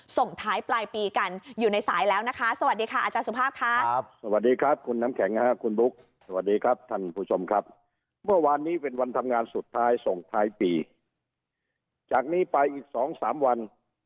ส่งท้ายปีจากนี้ไปอีกสองสามวัน